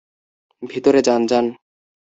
ভিতরে যান, যান।